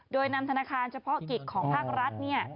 โดยนำธนาคารเฉพาะกิจของภาครัฐ